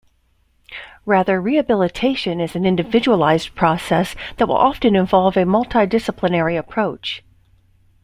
Rather, rehabilitation is an individualized process that will often involve a multi-disciplinary approach.